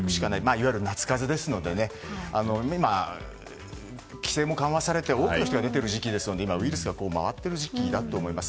いわゆる夏風邪ですので今、規制も緩和されて多くの人が出ている時期なのでウイルスが回っている時期だと思います。